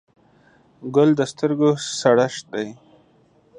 ګل د سترګو سړښت دی.